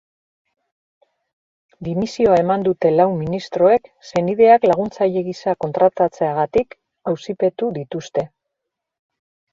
Dimisioa eman dute lau ministroek senideak laguntzaile gisa kontratatzeagatik auzipetu dituzte.